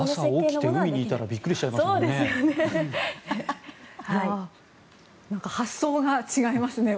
朝起きて海にいたらびっくりしちゃいますよね。